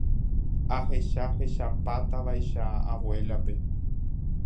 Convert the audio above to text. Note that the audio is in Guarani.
ahechahechapátavaicha abuélape